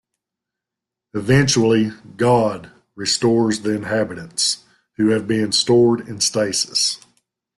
Eventually "God" restores the inhabitants, who have been stored in stasis.